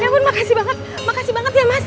ya bun makasih banget makasih banget ya mas